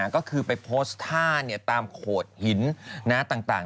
ก็คือไปโพสต์ท่าตามโขดหินต่าง